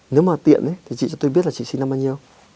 nếu mà tiện thì chị cho tôi biết là chị sinh năm bao nhiêu